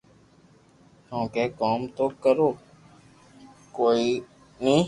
ڪونڪہ ڪوم تو ڪرو ڪوئي ني